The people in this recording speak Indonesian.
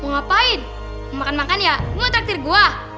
mau ngapain mau makan makan ya nge tracture gua